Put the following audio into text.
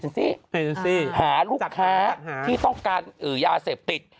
หาลูกค้าที่ต้องการยาเสพติด